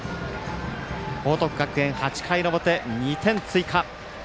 報徳学園、８回の表２点追加。